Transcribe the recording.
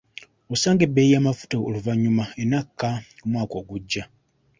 Osanga ebbeeyi y'amafuta oluvannyuma enakka omwaka ogujja.